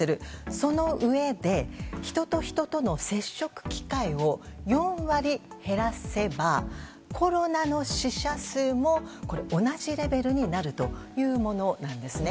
そのうえで人と人との接触機会を４割減らせばコロナの死者数も同じレベルになるというものなんですね。